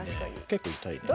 結構痛いねえ。